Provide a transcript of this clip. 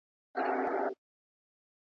زه به د ژبي تمرين کړی وي!!